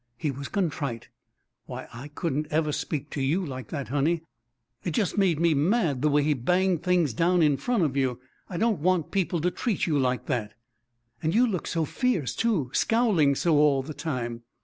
He was contrite. "Why, I couldn't ever speak to you like that, honey; it just made me mad the way he banged things down in front of you. I don't want people to treat you like that." "And you look so fierce, too scowling so all the time."